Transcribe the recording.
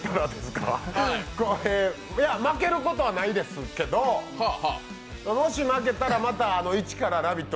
負けることはないですけどもし負けたらまた、一から「ラヴィット！」